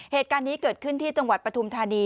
เหตุการณ์นี้เกิดขึ้นที่จังหวัดปฐุมธานี